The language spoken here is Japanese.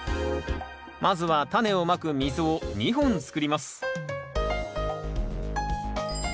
まずはタネをまく溝を２本つくります